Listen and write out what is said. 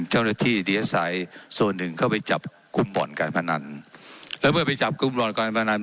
เจ้าหน้าที่ที่อาศัยส่วนหนึ่งเข้าไปจับกลุ่มบ่อนการพนันแล้วเมื่อไปจับกลุ่มบ่อนการพนัน